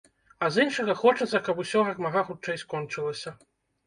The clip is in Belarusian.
А з іншага, хочацца, каб усё як мага хутчэй скончылася.